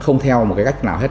không theo một cách nào hết